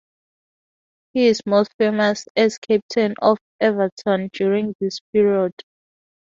He is most famous as captain of Everton during this period.